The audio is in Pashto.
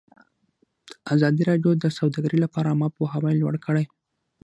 ازادي راډیو د سوداګري لپاره عامه پوهاوي لوړ کړی.